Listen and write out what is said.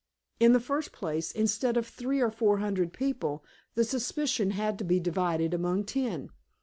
In the first place, instead of three or four hundred people, the suspicion had to be divided among ten.